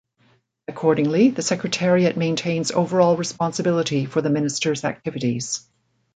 Accordingly, the secretariat maintains overall responsibility for the Minister's activities.